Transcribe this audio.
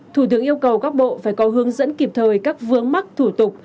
thủ tướng yêu cầu các bộ phải có hướng dẫn kịp thời các vướng mắc thủ tục